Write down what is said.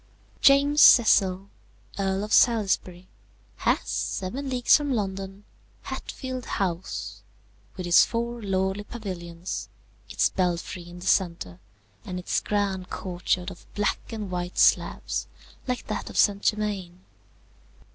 "James Cecil, Earl of Salisbury, has, seven leagues from London, Hatfield House, with its four lordly pavilions, its belfry in the centre, and its grand courtyard of black and white slabs, like that of St. Germain.